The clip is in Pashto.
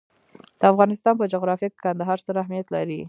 د افغانستان په جغرافیه کې کندهار ستر اهمیت لري.